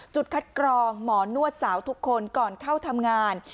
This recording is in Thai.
คัดกรองหมอนวดสาวทุกคนก่อนเข้าทำงาน